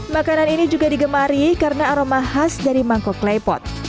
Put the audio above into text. makanan ini juga digemari karena aroma khas dari mangkok klepot